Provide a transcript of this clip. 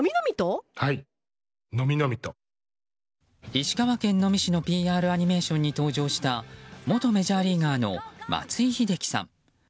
石川県能美市のＰＲアニメーションに登場した元メジャーリーガーの松井秀喜さん。